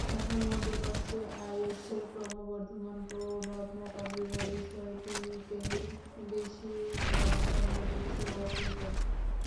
এখন মধ্যপ্রাচ্যে আইএসের ক্রমবর্ধমান প্রভাব মোকাবিলার বিষয়টিকেই বেশি প্রাধান্য দিচ্ছে ওয়াশিংটন।